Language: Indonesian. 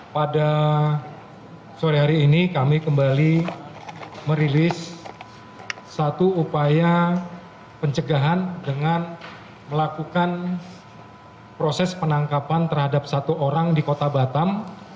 pada sore hari ini kami kembali merilis satu upaya pencegahan dengan melakukan proses penangkapan terhadap satu orang di kota batam